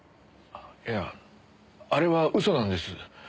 いやあれは嘘なんです。